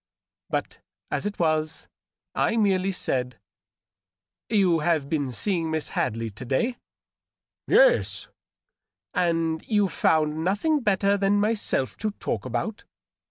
But, as it was, I merely said, —" You have been seeing Miss Hadley to day ?" JL es. "And you found nothing better than myself to talk about?"